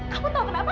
kamu tahu kenapa